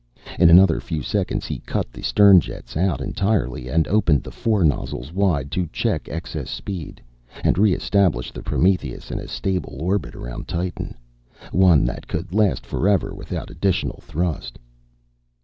In another few seconds he cut the stern jets out entirely, and opened the fore nozzles wide to check excess speed, and reestablish the Prometheus in a stable orbit around Titan. One that could last forever without additional thrust.